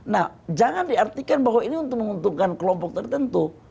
nah jangan diartikan bahwa ini untuk menguntungkan kelompok tertentu